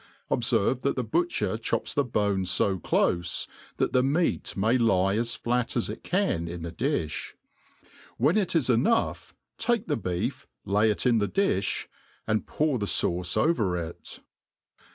Obferve that the butcher chops the bone fo clofe, that the meat may lie as flat as it can in the difli* When it is enough, take the beef, lay it in the diih, and pour the fauce over it.